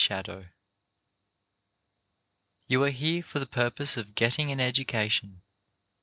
SHADOW You are here for the purpose of getting an edu cation.